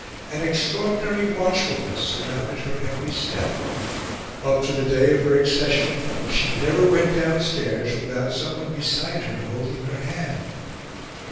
An extraordinary watchfulness surrounded her every step: up to the day of her accession, she never went downstairs without someone beside her holding her hand.